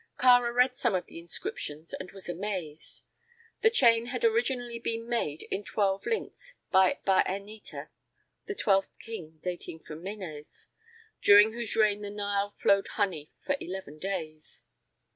Kāra read some of the inscriptions and was amazed. The chain had originally been made in twelve links by Bā en nĕter, the twelfth king dating from Mēnēs, during whose reign the Nile flowed honey for eleven days.